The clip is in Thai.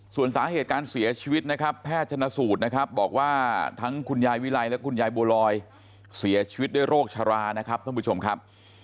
ส่วนสาเหตุการเสียชีวิตนะครับแพทย์ชนสูตรนะครับบอกว่าทั้งคุณยายวิไลและคุณยายบัวลอยเสียชีวิตด้วยโรคชรานะครับท่านผู้ชมครับ